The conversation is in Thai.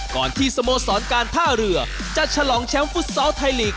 ก่อนที่สโมสรการท่าเรือจะฉลองแชมป์ฟุตซอลไทยลีก